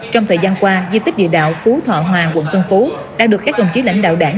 trong thời gian qua di tích địa đạo phú thọ hòa quận tân phú đang được các đồng chí lãnh đạo đảng